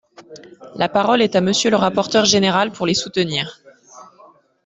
La parole est à Monsieur le rapporteur général pour les soutenir.